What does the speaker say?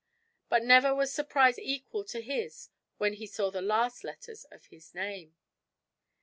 But never was surprise equal to his when he saw the last letters of his name.